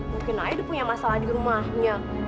mungkin ayah dia punya masalah di rumahnya